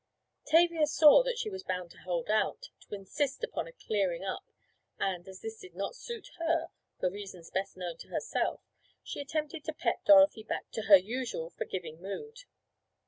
Tavia saw that she was bound to hold out—to insist upon a "clearing up," and, as this did not suit her, for reasons best known to herself, she attempted to pet Dorothy back to her usual forgiving mood.